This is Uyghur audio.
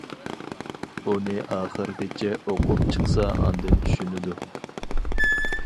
ئۇنى ئاخىرىغىچە ئوقۇپ چىقسا ئاندىن چۈشىنىدۇ.